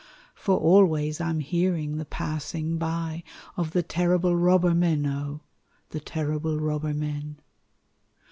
For always I'm hearing the passing by Of the terrible robber men, O ! The terrible robber men.